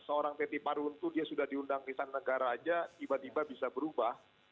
seorang teti paruntu dia sudah diundang ke istana negara aja tiba tiba bisa berubah